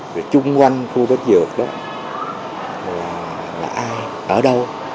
rồi chung quanh khu đất dược đó là ai ở đâu